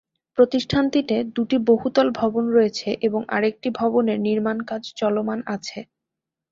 প্রতিষ্ঠানটিতে দুইটি বহুতল ভবন রয়েছে এবং আরেকটি ভবনের নির্মাণকাজ চলমান আছে।